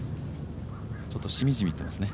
ちょっとしみじみ言ってますね。